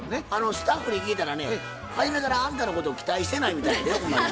スタッフに聞いたらね初めからあんたのことを期待してないみたいやでほんまに。